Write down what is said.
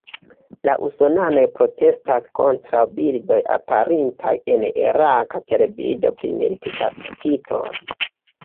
La usonanoj protestas kontraŭ bildoj aperintaj en iraka televido pri militkaptitoj.